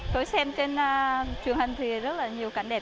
tôi xem trên trường hình thì rất là nhiều cảnh đẹp